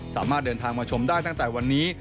สามารถเดินทางมาชมได้ตั้งแต่วันนี้